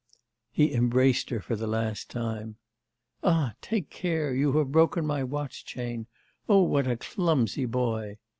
He embraced her for the last time. 'Ah, take care, you have broken my watch chain. Oh, what a clumsy boy!